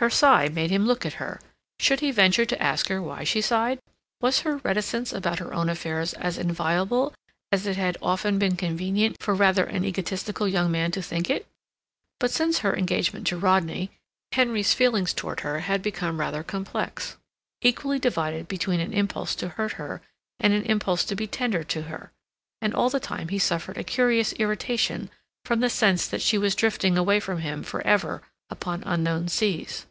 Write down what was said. Her sigh made him look at her. Should he venture to ask her why she sighed? Was her reticence about her own affairs as inviolable as it had often been convenient for rather an egoistical young man to think it? But since her engagement to Rodney, Henry's feeling towards her had become rather complex; equally divided between an impulse to hurt her and an impulse to be tender to her; and all the time he suffered a curious irritation from the sense that she was drifting away from him for ever upon unknown seas.